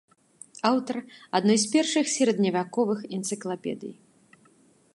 Аўтар адной з першых сярэдневяковых энцыклапедый.